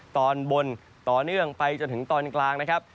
ตอนบนต่อเนื่องไปจนถึงตอนกลางนะครับ